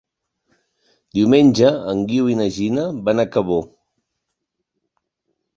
Diumenge en Guiu i na Gina van a Cabó.